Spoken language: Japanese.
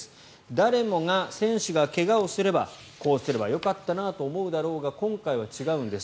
誰もが選手が怪我をすればこうすればよかったなと思うだろうが今回は違うんです。